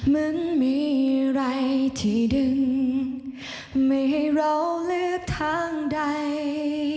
มันมีอะไรที่ดึงไม่ให้เราเลือกทางใด